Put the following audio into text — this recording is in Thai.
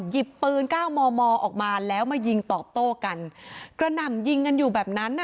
หยิบปืนเก้ามอมอออกมาแล้วมายิงตอบโต้กันกระหน่ำยิงกันอยู่แบบนั้นอ่ะ